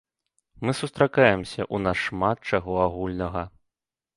Мы сустракаемся, у нас шмат чаго агульнага.